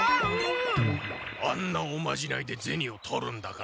あんなおまじないでゼニを取るんだから。